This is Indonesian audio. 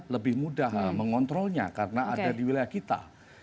lebih mudah mengontrolnya karena ada di wilayah kita